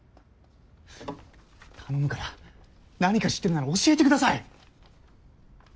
頼むから何か知ってるなら教えてください。